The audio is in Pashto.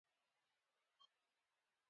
لویه خطا وه.